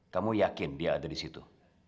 kamu yakin dia ada di situ